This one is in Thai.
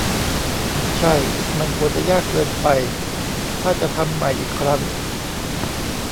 ใช่ มันควรจะยากเกินไปถ้าจะทำใหม่อีกครั้ง